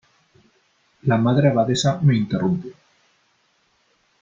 la Madre Abadesa me interrumpió :